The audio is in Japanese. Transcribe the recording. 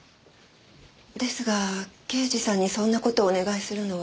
ですが刑事さんにそんな事をお願いするのは。